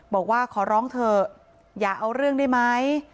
บอกว่าขอร้องเถอะอย่าเอาเรื่องได้ไหม